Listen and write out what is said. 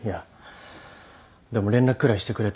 でも連絡くらいしてくれたら。